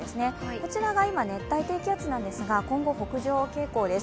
こちらが今、熱帯低気圧なんですが今後、北上傾向です。